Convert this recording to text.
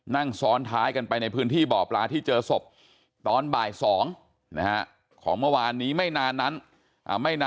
นั่งซ้อนท้ายกันไปในพื้นที่บ่อปลาที่เจอศพตอนบ่าย๒นะฮะของเมื่อวานนี้ไม่นานนั้นไม่นาน